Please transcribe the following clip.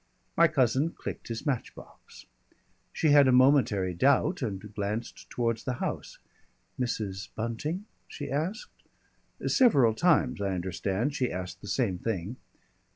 My cousin clicked his match box. She had a momentary doubt and glanced towards the house. "Mrs. Bunting?" she asked. Several times, I understand, she asked the same thing.